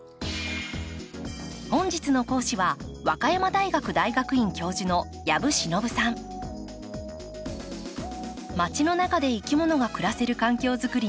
本日の講師は和歌山大学大学院教授のまちの中でいきものが暮らせる環境作りに取り組んで４０年。